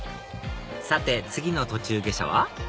さて次の途中下車は？